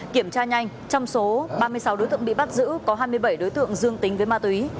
kiểm tra nhanh trong số ba mươi sáu đối tượng bị bắt giữ có hai mươi bảy đối tượng dương tính với ma túy